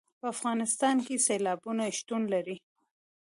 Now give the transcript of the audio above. په افغانستان کې سیلابونه شتون لري.